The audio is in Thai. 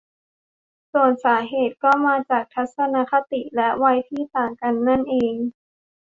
ส่วนสาเหตุก็มาจากทัศนคติและวัยที่ต่างกันนั่นเอง